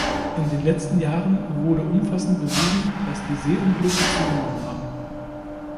In den letzten Jahren wurde umfassend bewiesen, dass die Seeunglücke zugenommen haben.